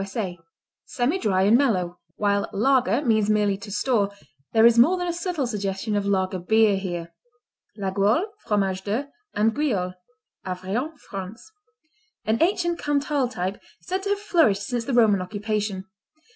S.A._ Semidry and mellow. While lager means merely "to store," there is more than a subtle suggestion of lager beer here. Laguiole, Fromage de, and Guiole Aveyron, France An ancient Cantal type said to have flourished since the Roman occupation.